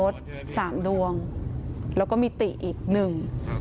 สามดวงแล้วก็มีติอีกหนึ่งครับ